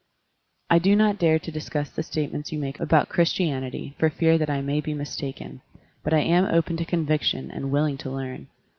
I do not dare to discuss the statements you make about Christianity, for fear that I may be mistaken, but I am open to conviction and willing to learn.